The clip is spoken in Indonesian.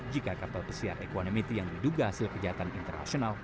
jika kapal pesiar equanimity yang diduga hasil kejahatan internasional